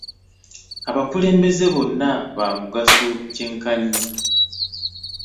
Abakulembeze bonna ba mugaso kye nkanyi.